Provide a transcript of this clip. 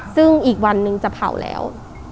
ซึ่งอีกวันนึงจะเผาแล้ว